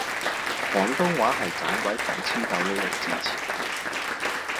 廣東話係盞鬼糖黐豆呢類字詞